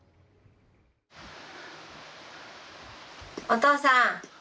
お父さん。